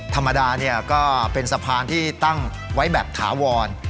ธรรมดาก็เป็นสะพานที่ตั้งไว้แบบถาวร